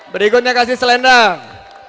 berikutnya kasih selendang